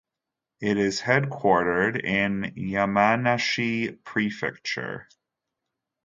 It is headquartered in Yamanashi Prefecture.